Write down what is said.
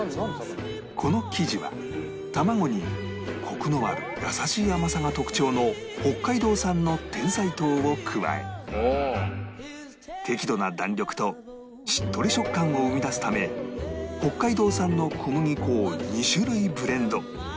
この生地は卵にコクのある優しい甘さが特徴の北海道産のてんさい糖を加え適度な弾力としっとり食感を生み出すため北海道産の小麦粉を２種類ブレンド